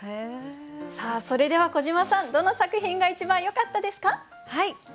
それでは小島さんどの作品が一番よかったですか？